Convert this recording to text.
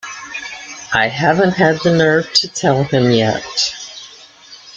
I haven't had the nerve to tell him yet.